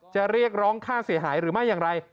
เรียกร้องค่าเสียหายหรือไม่อย่างไร